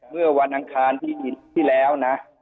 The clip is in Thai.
เมื่อวันอังคารที่แล้วนะ